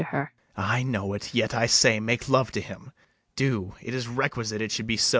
BARABAS. I know it: yet, I say, make love to him; Do, it is requisite it should be so.